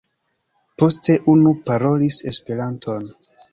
Poste unu parolis Esperanton.